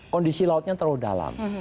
kondisi lautnya terlalu dalam